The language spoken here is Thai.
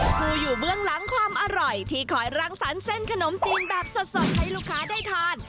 อยู่เบื้องหลังความอร่อยที่คอยรังสรรค์เส้นขนมจีนแบบสดให้ลูกค้าได้ทาน